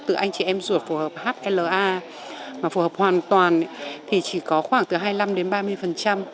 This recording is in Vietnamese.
từ anh chị em ruột phù hợp hla mà phù hợp hoàn toàn thì chỉ có khoảng từ hai mươi năm đến ba mươi